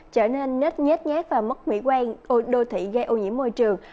trở nên nết nhét nhát và mất mỹ quan đô thị gây ô nhiễm môi trường